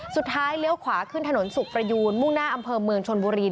เลี้ยวขวาขึ้นถนนสุขประยูนมุ่งหน้าอำเภอเมืองชนบุรี